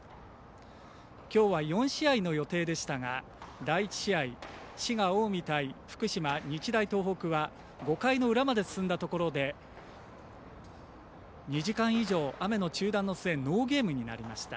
きょうは４試合の予定でしたが第１試合、滋賀、近江対福島、日大東北は５回の裏まで進んだところで２時間以上、雨の中断の末ノーゲームになりました。